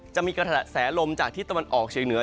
จะมีกระแสลมจากที่ตะวันออกเชียงเหนือ